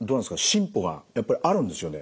進歩がやっぱりあるんですよね？